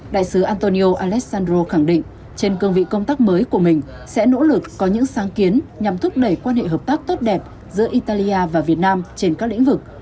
đại sứ antonio alessandro khẳng định trên cương vị công tác mới của mình sẽ nỗ lực có những sáng kiến nhằm thúc đẩy quan hệ hợp tác tốt đẹp giữa italia và việt nam trên các lĩnh vực